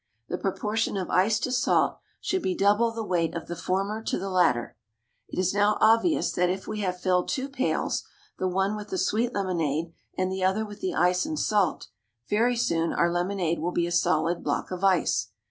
The proportion of ice to salt should be double the weight of the former to the latter. It is now obvious that if we have filled two pails, the one with "the sweet lemonade," and the other with the ice and salt, very soon our lemonade will be a solid block of ice.